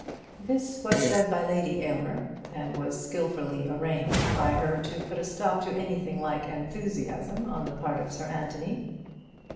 This was said by Lady Aylmer, and was skilfully arranged by her to put a stop to anything like enthusiasm on the part of Sir Anthony.